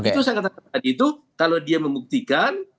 itu saya katakan tadi itu kalau dia membuktikan